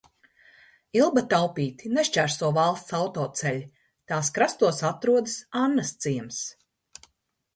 Ilbatupīti nešķērso valsts autoceļi, tās krastos atrodas Annasciems.